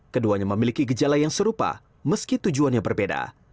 keduanya memiliki gejala yang serupa meski tujuannya berbeda